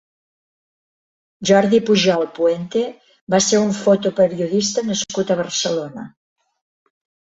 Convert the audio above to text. Jordi Pujol Puente va ser un fotoperiodista nascut a Barcelona.